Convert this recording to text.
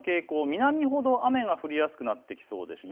南ほど雨が降りやすくなってきそうです。